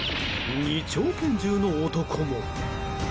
二丁拳銃の男も。